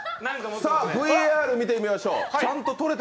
ＶＡＲを見てみましょう。